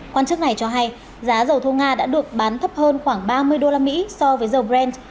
quan chức này cho hay giá dầu thô nga đã được bán thấp hơn khoảng ba mươi usd so với dầu brent